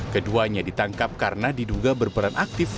keduanya ditangkap karena diduga berperan aktif